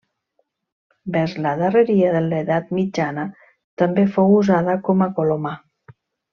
Vers la darreria de l'edat mitjana també fou usada com a colomar.